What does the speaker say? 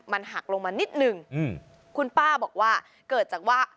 มันหักลงมานิดนึงคุณป้าบอกว่าเกิดจากว่า